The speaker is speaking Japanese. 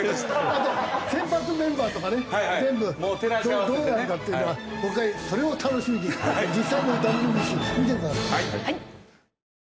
あと先発メンバーとかね全部どうなるかっていうのがそれを楽しみに実際のＷＢＣも見てください。